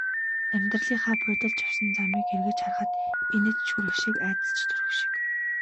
Амьдралынхаа будилж явсан замыг эргэж харахад инээд ч хүрэх шиг, айдас ч төрөх шиг.